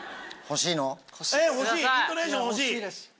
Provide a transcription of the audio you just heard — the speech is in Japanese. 欲しいです。